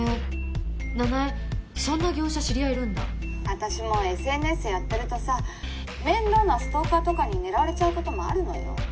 「私もＳＮＳやってるとさ面倒なストーカーとかに狙われちゃう事もあるのよ」